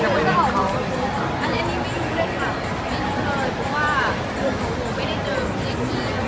เราก็จะเพิ่งเค้าบอกว่าอีกอย่างไงตัวใหม่ไหลจะแสดงทำได้บ้าง